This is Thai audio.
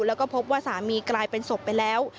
แล้วก็พบว่าสามีกลายเป็นศพไปแล้ว